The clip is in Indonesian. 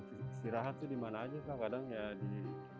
istirahat itu dimana aja kadang ya di